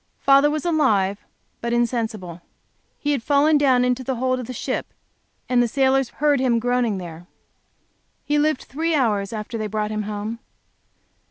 Father was alive but insensible. He had fallen down into the hold of the ship, and the sailors heard him groaning there. He lived three hours after they brought him home.